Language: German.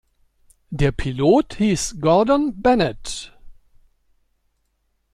Der Pilot hieß Gordon Bennett.